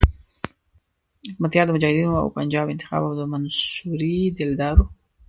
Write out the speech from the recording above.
حکمتیار د مجاهدینو او پنجاب انتخاب او د منصوري دلدار وو.